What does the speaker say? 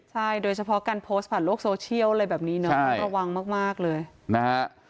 ใช่โดยเฉพาะการโพสต์ผ่านโลกโซเชียลอะไรแบบนี้เนาะระวังมากเลยนะฮะ